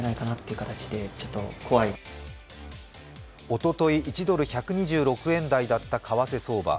おととい、１ドル＝１２６円台だった為替相場。